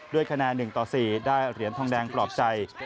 ด้วยคะแนน๑ต่อ๔ได้เหรียญทองแดงปลอบใจ